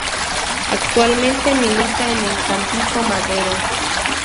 Actualmente milita en el Tampico Madero.